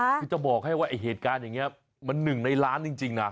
แค่จะบอกให้ว่าเหตุการณ์อย่างนี้มันเป็นหนึ่งในร้านจริงน่ะ